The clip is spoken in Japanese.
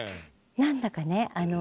何だかね